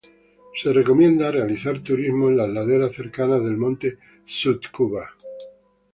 Se recomienda realizar turismo en las laderas cercanas del monte Tsukuba.